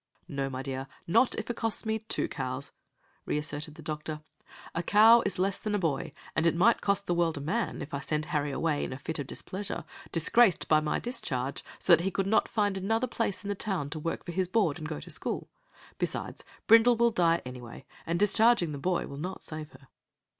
"No, my dear, not if it costs me two cows," reasserted the doctor. "A cow is less than a boy, and it might cost the world a man if I sent Harry away in a fit of displeasure, disgraced by my discharge so that he could not find another place in town to work for his board, and go to school. Besides, Brindle will die anyway, and discharging the boy will not save her."